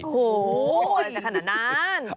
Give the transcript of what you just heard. โอ้โหอะไรจะขนาดนั้น